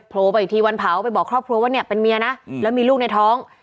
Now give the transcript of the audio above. โลไปอีกทีวันเผาไปบอกครอบครัวว่าเนี่ยเป็นเมียนะแล้วมีลูกในท้อง